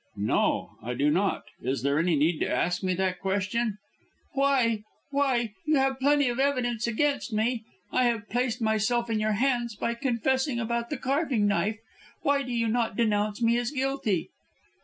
"No, I do not. Is there any need to ask me that question?" "Why? why? You have plenty of evidence against me. I have placed myself in your hands by confessing about the carving knife. Why do you not denounce me as guilty?"